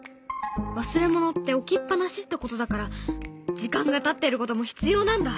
忘れ物って置きっ放しってことだから時間がたってることも必要なんだ。